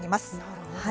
なるほど。